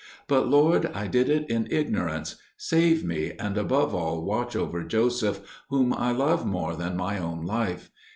But, Lord, I did it in ignorance; save me, and above all watch over Joseph, whom I love more than my own life.